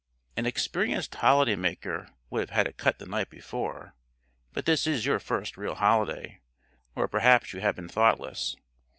An experienced holiday maker would have had it cut the night before, but this is your first real holiday, or perhaps you have been thoughtless.